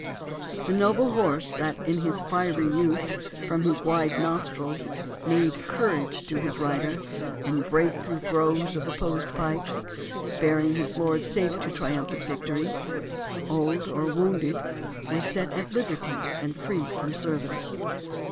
The noble horse, That, in his fiery youth, from his wide nostrils Neighed courage to his rider, and brake through Groves of opposed pikes, bearing his lord Safe to triumphant victory, old or wounded, Was set at liberty and freed from service.